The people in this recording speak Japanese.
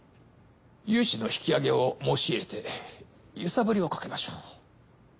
融資の引き上げを申し入れて揺さぶりをかけましょう。